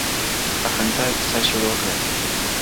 په خــــنــدا كيــسـه شـــــروع كړه؛